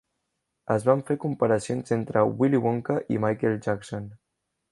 Es van fer comparacions entre Willy Wonka i Michael Jackson.